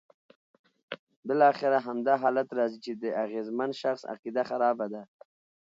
بالاخره همدا حالت راځي چې د اغېزمن شخص عقیده خرابه ده.